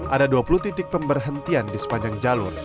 ada dua puluh titik pemberhentian di sepanjang jalur